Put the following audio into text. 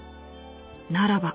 ならば。